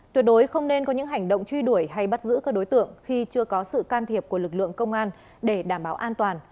tuyệt đối không nên có những hành động truy đuổi hay bắt giữ các đối tượng khi chưa có sự can thiệp của lực lượng công an để đảm bảo an toàn